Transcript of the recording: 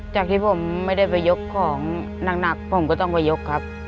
จากที่ผมไม่ได้ไปยกของหนักผมก็ต้องไปยกครับ